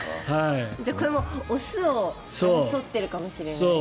これも雄を争っているかもしれない。